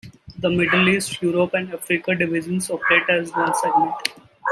The Middle East, Europe, and Africa divisions operate as one segment.